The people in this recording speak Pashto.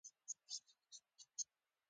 د انقباض حد باید له درې څخه کم وي